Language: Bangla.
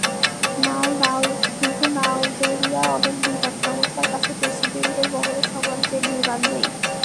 কিন্তু নাইজেরিয়ার অনেক বিমান সংস্থার কাছেই প্রেসিডেন্টের বহরের সমান জেট বিমান নেই।